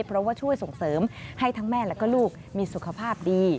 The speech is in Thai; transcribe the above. เพราะว่าช่วยส่งเสริมให้ทั้งแม่และลูกมีสุขภาพดี